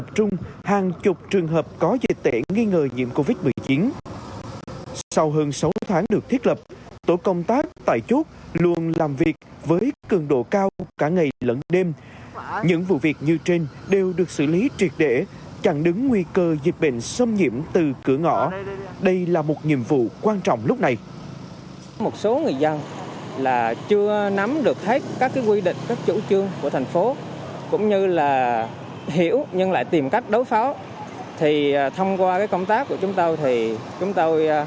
một số người dân chưa nắm được hết các quy định các chủ trương của thành phố cũng như là hiểu nhưng lại tìm cách đối phó đây là một nhiệm vụ quan trọng lúc này những vụ việc như trên đều được xử lý triệt để chẳng đứng nguy cơ dịch bệnh xâm nhiễm từ cửa ngõ đây là một nhiệm vụ quan trọng lúc này những vụ việc groove trong chốt c hai mươi mà mình đang quản lý thì nói chung là mình phải cố gắng làm sao nỗ lực hết mình để kiểm soát tất cả các vụ việc này